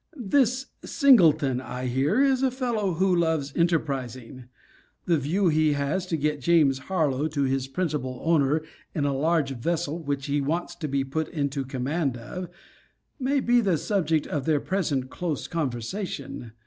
This Singleton, I hear, is a fellow who loves enterprising: the view he has to get James Harlowe to be his principal owner in a large vessel which he wants to be put into the command of, may be the subject of their present close conversation.